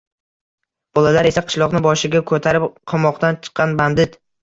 Bolalar esa, qishloqni boshiga ko`tarib qamoqdan chiqqan bandit